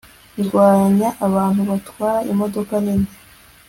ndwanya abantu batwara imodoka nini